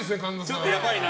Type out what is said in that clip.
ちょっとやばいな。